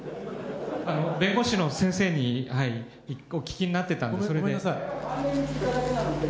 弁護士の先生にお聞きになってましたよね。